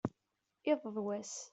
iḍ d wass